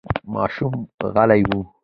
ماشوم غلی و.